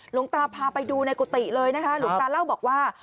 หลวงตาพาไปดูในกุฏิเลยนะคะหลวงตาเล่าบอกว่า